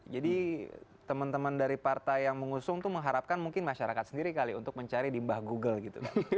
teman teman dari partai yang mengusung tuh mengharapkan mungkin masyarakat sendiri kali untuk mencari di mbah google gitu